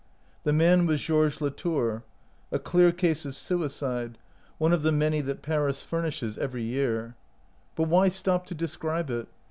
The man was Georges Latour. A clear case of sui cide ; one of the many that Paris furnishes 152 OUT OF BOHEMIA every year. But why stop to describe it?